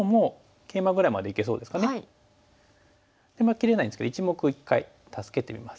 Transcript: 切れないんですけど１目を一回助けてみます。